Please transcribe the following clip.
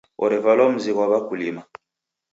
Orevalwa mzi ghwa w'akulima.